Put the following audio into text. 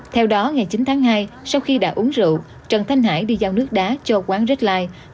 theo đó ngày chín tháng hai sau khi đã uống rượu trần thanh hải đi giao nước đá cho quán rackline